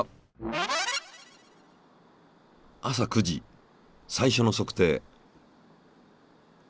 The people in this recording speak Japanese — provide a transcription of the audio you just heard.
朝９時最初の測定。